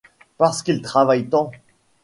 Parce qu’il travaille tant.